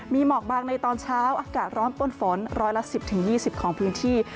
มีหมอกบางในตอนเช้าอากาศร้อนป้นฝนร้อยละ๑๐๒๐ของพื้นที่